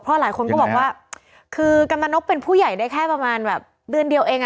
เพราะหลายคนก็บอกว่าคือกำลังนกเป็นผู้ใหญ่ได้แค่ประมาณแบบเดือนเดียวเอง